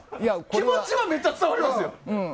気持ちはめっちゃ伝わりますよ。